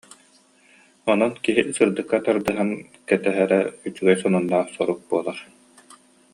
Онон киһи сырдыкка тардыһан кэтэһэрэ үчүгэй сонуннаах сурук буолар